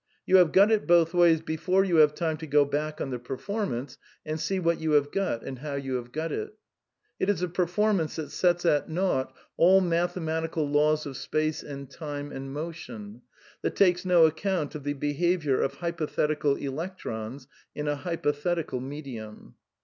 You have got it both ways before you have time to go back on the performance and see what you have got and how you have got it. It is a perform ance that sets at nought all mathematical laws of space and time and motion; that takes no account of the be haviour of hypothetical electrons in a hypothetical medium.